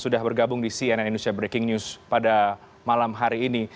sudah bergabung di cnn indonesia breaking news pada malam hari ini